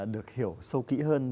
được hiểu sâu kỹ hơn